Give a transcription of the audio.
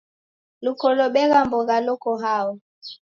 Luko lobegha mbogha loko hao?